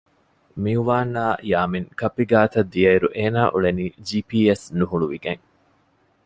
މިއުވާންއާއި ޔާމިން ކައްޕި ގާތަށް ދިޔައިރު އޭނާ އުޅެނީ ޖީޕީއެސް ނުހުޅުވިގެން